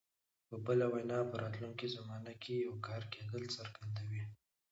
په بله وینا په راتلونکي زمانه کې د یو کار کېدل څرګندوي.